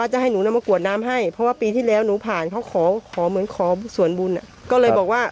ถ้าให้รูปคนอ่ะลองดูอีกทีหนึ่งเอารูปขึ้นมา